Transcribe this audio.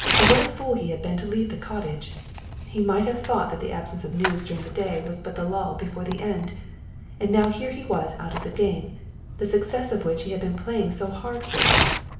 What a fool he had been to leave the cottage. He might have thought that the absence of news during the day was but the lull before the end, and now here he was out of the game, the success of which he had been playing so hard for.